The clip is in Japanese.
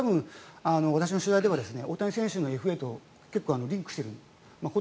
それはたぶん、私の取材では大谷選手のＦＡとリンクしている。